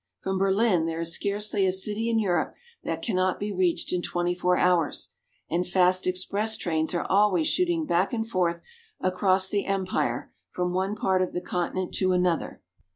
From Berlin there is scarcely a city in Europe that cannot be reached in twenty four hours, and fast express trains are always shooting back and forth across the empire from one part of the continent to another.